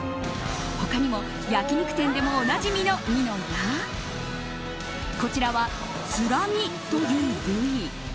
他にも焼き肉店でもおなじみのミノやこちらはツラミという部位。